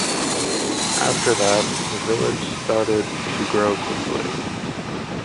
After that, the village started to grow quickly.